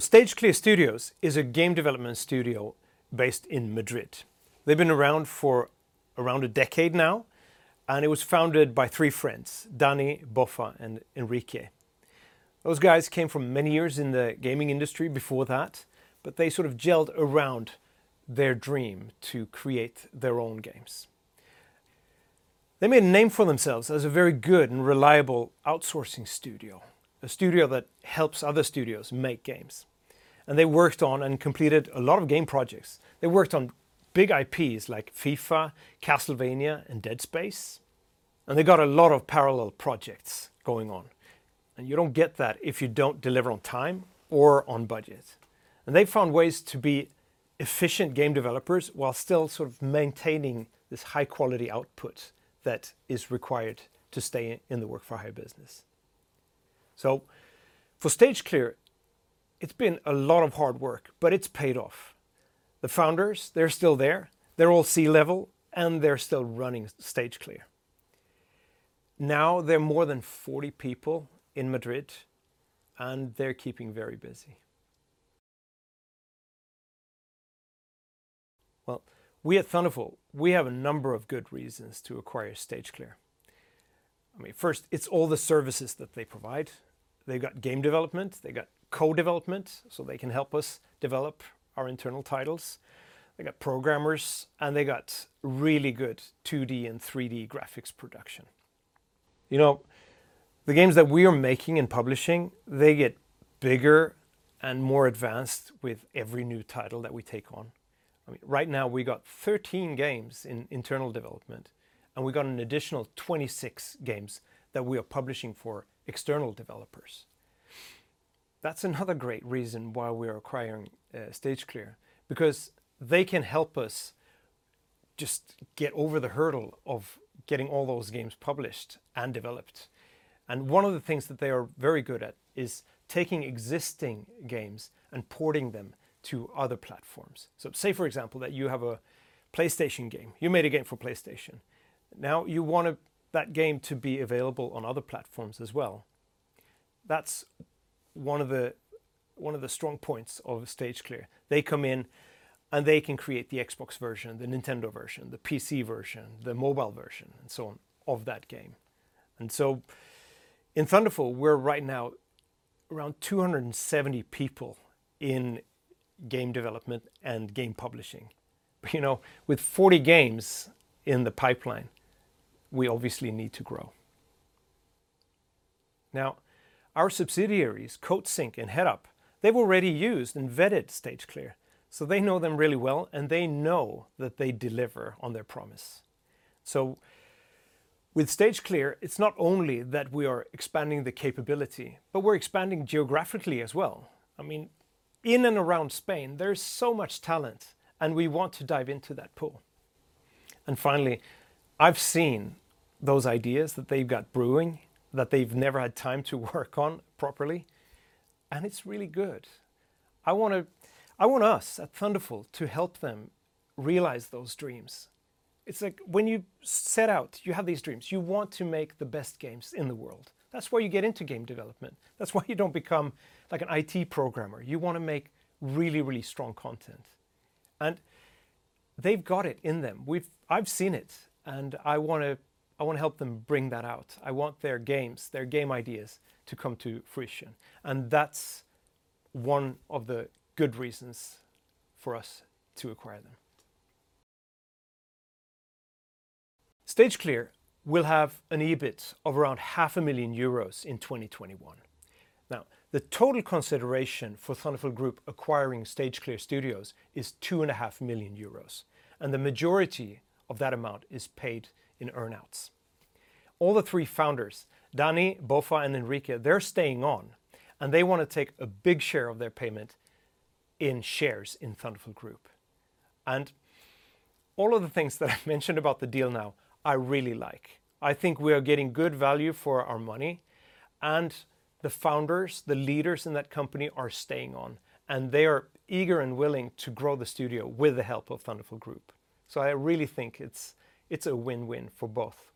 Stage Clear Studios is a game development studio based in Madrid. They've been around for around a decade now, and it was founded by three friends, Dani, Bofa, and Enrique. Those guys came from many years in the gaming industry before that, but they sort of gelled around their dream to create their own games. They made a name for themselves as a very good and reliable outsourcing studio, a studio that helps other studios make games, and they worked on and completed a lot of game projects. They worked on big IPs like FIFA, Castlevania, and Dead Space. They got a lot of parallel projects going on, and you don't get that if you don't deliver on time or on budget. They found ways to be efficient game developers while still sort of maintaining this high-quality output that is required to stay in the work-for-hire business. For Stage Clear, it's been a lot of hard work, but it's paid off. The founders, they're still there. They're all C-level, and they're still running Stage Clear. Now they're more than 40 people in Madrid, and they're keeping very busy. We at Thunderful, we have a number of good reasons to acquire Stage Clear. First, it's all the services that they provide. They've got game development. They've got co-development, so they can help us develop our internal titles. They've got programmers, and they got really good 2D and 3D graphics production. The games that we are making and publishing, they get bigger and more advanced with every new title that we take on. Right now we got 13 games in internal development, and we got an additional 26 games that we are publishing for external developers. That's another great reason why we are acquiring Stage Clear, because they can help us just get over the hurdle of getting all those games published and developed. One of the things that they are very good at is taking existing games and porting them to other platforms. Say, for example, that you have a PlayStation game. You made a game for PlayStation. Now you want that game to be available on other platforms as well. That's one of the strong points of Stage Clear. They come in, and they can create the Xbox version, the Nintendo version, the PC version, the mobile version, and so on, of that game. In Thunderful, we're right now around 270 people in game development and game publishing. With 40 games in the pipeline, we obviously need to grow. Our subsidiaries, Coatsink and Headup, they've already used and vetted Stage Clear, so they know them really well, and they know that they deliver on their promise. With Stage Clear, it's not only that we are expanding the capability, but we're expanding geographically as well. In and around Spain, there's so much talent, and we want to dive into that pool. Finally, I've seen those ideas that they've got brewing that they've never had time to work on properly, and it's really good. I want us at Thunderful to help them realize those dreams. It's like when you set out, you have these dreams. You want to make the best games in the world. That's why you get into game development. That's why you don't become an IT programmer. You want to make really strong content. They've got it in them. I've seen it, and I want to help them bring that out. I want their games, their game ideas to come to fruition, and that's one of the good reasons for us to acquire them. Stage Clear will have an EBIT of around 500,000 euros in 2021. Now, the total consideration for Thunderful Group acquiring Stage Clear Studios is 2.5 million euros, and the majority of that amount is paid in earn-outs. All the three founders, Dani, Bofa, and Enrique, they're staying on, and they want to take a big share of their payment in shares in Thunderful Group. All of the things that I mentioned about the deal now, I really like. I think we are getting good value for our money, and the founders, the leaders in that company, are staying on, and they are eager and willing to grow the studio with the help of Thunderful Group. I really think it's a win-win for both.